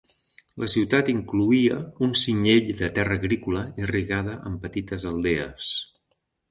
La ciutat incloïa un cinyell de terra agrícola irrigada amb petites aldees.